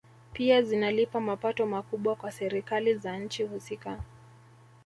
Pia zinalipa mapato makubwa kwa Serikali za nchi husika